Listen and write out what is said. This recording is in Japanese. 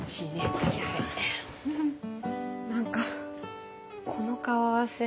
何かこの顔合わせ。